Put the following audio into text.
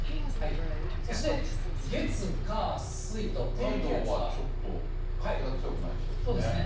そして月、火、北海道はちょっと風が強くなそうですね。